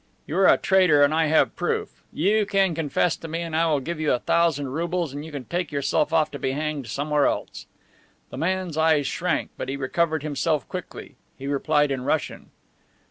You are a traitor, and I have proof. You can confess to me, and I will give you a thousand roubles and you can take yourself off to be hanged somewhere else." The man's eyes shrank, but he recovered himself quickly. He replied in Russian.